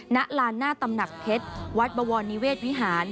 ณลานหน้าตำหนักเพชรวัดบวรนิเวศวิหาร